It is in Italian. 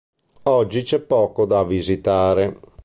Oggi c'è poco da visitare.